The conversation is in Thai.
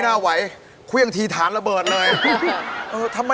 อ๋อนี่คือตัวตาใช่ไหม